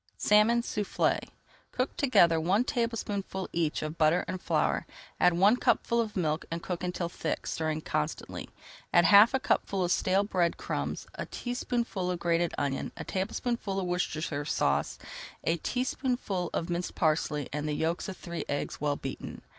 SALMON SOUFFLÉ Cook together one tablespoonful each of butter and flour, add one cupful of milk, and cook until thick, stirring constantly. Add half a cupful of stale bread crumbs, a teaspoonful of grated onion, a tablespoonful of Worcestershire Sauce, a teaspoonful of minced parsley, and the yolks of three eggs, well beaten.